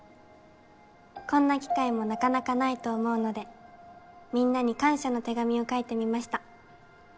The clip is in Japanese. こんな機会もなかなか無いと思うのでみんなに感謝の手紙を書いてみました。